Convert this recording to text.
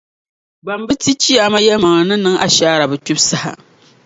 Ban bi ti chiyaama yɛlimaŋli ni niŋ ashaara bɛ kpibu saha.